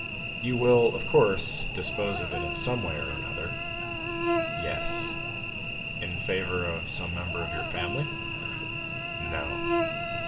"You will, of course, dispose of it in some way or other?" "Yes." "In favor of some member of your family?" "No."